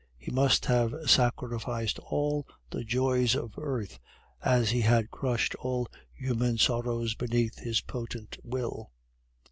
He must have sacrificed all the joys of earth, as he had crushed all human sorrows beneath his potent will.